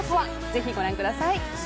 ぜひご覧ください。